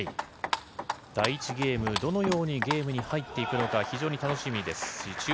第１ゲーム、どのように入っていくのか非常に楽しみです。